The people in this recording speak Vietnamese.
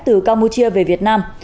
từ campuchia về việt nam